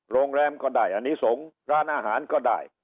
โรงแรมก็ได้อันนี้สงฆ์ร้านอาหารก็ได้